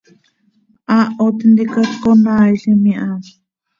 Haaho tintica cöconaaailim iha.